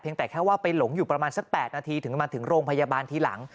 แต่แค่ว่าไปหลงอยู่ประมาณสัก๘นาทีถึงมาถึงโรงพยาบาลทีหลัง